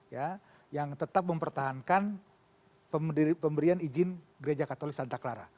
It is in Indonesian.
ya yang tetap mempertahankan pemberian izin gereja katolik santa clara